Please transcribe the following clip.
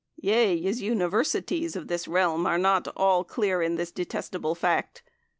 Yea yeS. Universytees of thys realme are not alle clere in thys detestable fact.